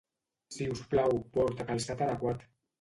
Si us plau, porta calçat adequat.